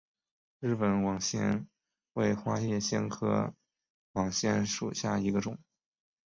日本网藓为花叶藓科网藓属下的一个种。